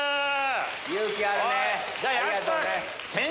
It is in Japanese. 勇気あるね。